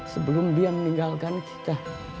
sebelum dia meninggalkan kita